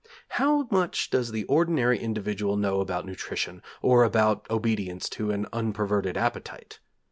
How much does the ordinary individual know about nutrition, or about obedience to an unperverted appetite?